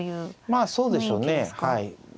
まあそうでしょうねはい。